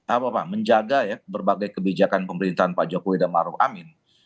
apa pak menjaga ya berbagai kebijakan pemerintahan pak jokowi dan maruf amin